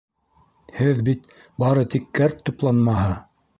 —Һеҙ бит бары тик кәрт тупланмаһы!